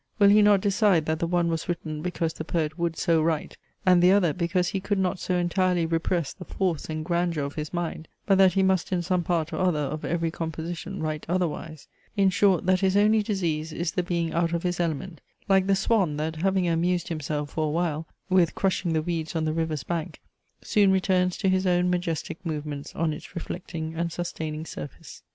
Will he not decide that the one was written because the poet would so write, and the other because he could not so entirely repress the force and grandeur of his mind, but that he must in some part or other of every composition write otherwise? In short, that his only disease is the being out of his element; like the swan, that, having amused himself, for a while, with crushing the weeds on the river's bank, soon returns to his own majestic movements on its reflecting and sustaining surface.